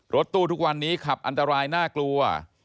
รถตู้ทุกวันนี้ขับอันตรายน่ากลัว